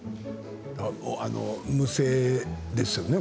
無声ですよね？